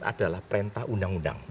adalah perintah undang undang